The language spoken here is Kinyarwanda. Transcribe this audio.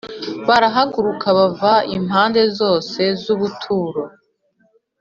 Barahaguruka bava impande zose z ubuturo